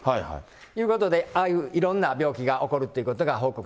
ということで、ああいういろんな病気が起こるっていうことが報告